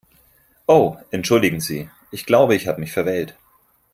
Oh entschuldigen Sie, ich glaube, ich habe mich verwählt.